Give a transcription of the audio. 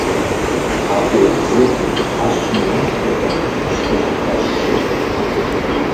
Аӏуудзыр ӏэщым яшхыркъым, щхъухь хэлъщи.